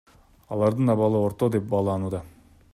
Алардын абалы орто деп бааланууда.